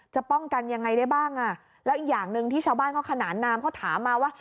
จะป้องกันยังไงได้บ้างอ่ะแล้วอีกอย่างหนึ่งที่ชาวบ้านเขาขนานนามเขาถามมาว่า